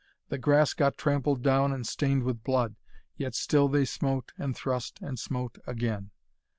The grass got trampled down and stained with blood, yet still they smote and thrust and smote again.